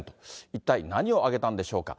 一体何をあげたんでしょうか。